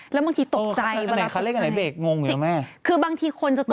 แล้วบางทีตกใจเวลาตกใจไหมจริงคือบางทีคนจะตกใจ